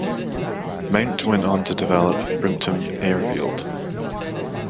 Mount went on to develop Brimpton Airfield.